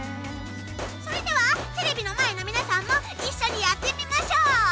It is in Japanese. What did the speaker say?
それではテレビの前の皆さんも一緒にやってみましょう。